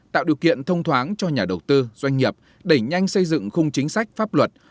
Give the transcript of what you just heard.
tạo điều kiện thông thoáng cho nhà đầu tư doanh nghiệp đẩy nhanh xây dựng khung chính sách pháp luật